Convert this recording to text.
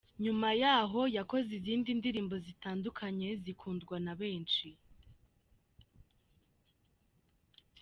Nyuma y'aho yakoze izindi ndirimbo zitandukanye zikundwa na benshi.